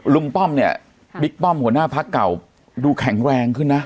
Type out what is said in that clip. ป้อมเนี่ยบิ๊กป้อมหัวหน้าพักเก่าดูแข็งแรงขึ้นนะ